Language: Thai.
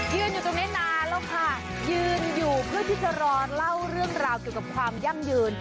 อยู่ตรงนี้นานแล้วค่ะยืนอยู่เพื่อที่จะรอเล่าเรื่องราวเกี่ยวกับความยั่งยืน